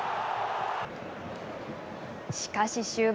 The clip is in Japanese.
しかし終盤。